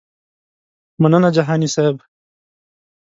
مننه جهاني صیب.